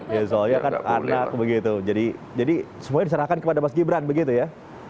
ya soalnya kan anak begitu jadi semuanya diserahkan kepada mas gibran begitu ya